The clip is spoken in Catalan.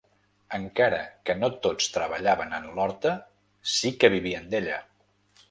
Encara que no tots treballaven en l’horta, sí que vivien d’ella.